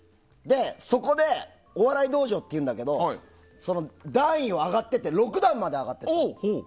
そこで「お笑い道場」っていうんだけどその段位は上がってて６段まで上がってたの。